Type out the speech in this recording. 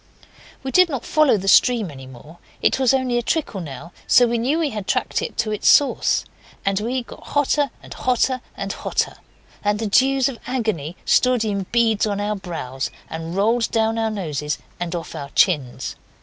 We did not follow the stream any more. It was only a trickle now, so we knew we had tracked it to its source. And we got hotter and hotter and hotter, and the dews of agony stood in beads on our brows and rolled down our noses and off our chins.